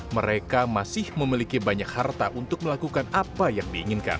mereka masih memiliki banyak harta untuk melakukan apa yang diinginkan